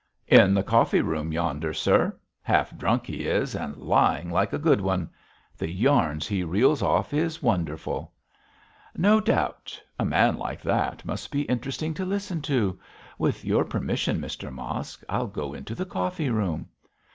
'In the coffee room yonder, sir. Half drunk he is, and lying like a good one. The yarns he reels off is wonderful.' 'No doubt; a man like that must be interesting to listen to. With your permission, Mr Mosk, I'll go into the coffee room.'